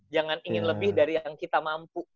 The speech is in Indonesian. jangan ingin lebih dari yang kita mampu